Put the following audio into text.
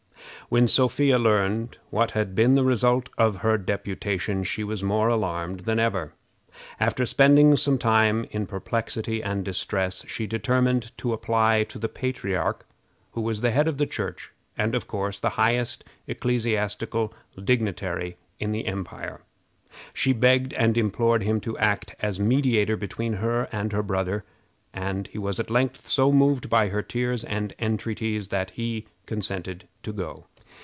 When Sophia learned what had been the result of her deputation she was more alarmed than ever. After spending some time in perplexity and distress, she determined to apply to the patriarch, who was the head of the Church, and, of course, the highest ecclesiastical dignitary in the empire. She begged and implored him to act as mediator between her and her brother, and he was at length so moved by her tears and entreaties that he consented to go.